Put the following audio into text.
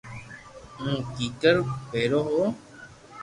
ھمو ڪيڪير ڀيرو ھووُ